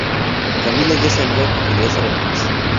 Camila ya sabía que quería ser actriz.